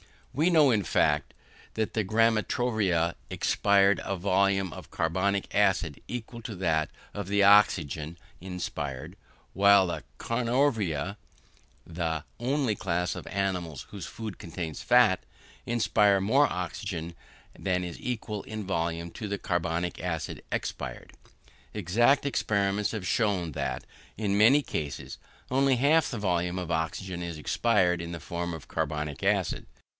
We know, in fact, that the graminivora expire a volume of carbonic acid equal to that of the oxygen inspired, while the carnivora, the only class of animals whose food contains fat, inspire more oxygen than is equal in volume to the carbonic acid expired. Exact experiments have shown, that in many cases only half the volume of oxygen is expired in the form of carbonic acid.